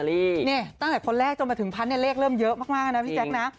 นี่ตั้งแต่คนแรกจนมาถึงพันธุเนี่ยเลขเริ่มเยอะมากนะพี่แจ๊คนะ